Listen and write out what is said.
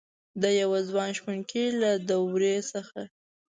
دیوه ځوان شپونکي له دروي څخه